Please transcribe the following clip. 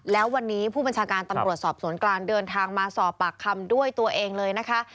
แล้ววันนี้ผู้บัญชาการตำรวจสอบสวนกลางเดินทางมาสอบปากคำด้วยตัวเองเลยนะคะ